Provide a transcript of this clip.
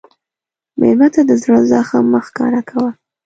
مېلمه ته د زړه زخم مه ښکاره کوه.